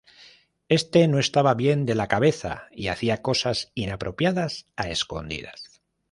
Éste no estaba bien de la cabeza y hacía cosas inapropiadas a escondidas.